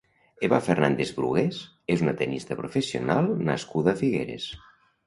Eva Fernández-Brugués és una tennista professional nascuda a Figueres.